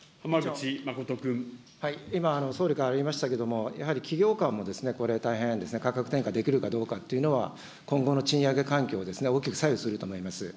今、総理からありましたけれども、やはり企業間もこれ大変、価格転嫁できるかどうかというのは、今後の賃上げ環境を大きく左右すると思います。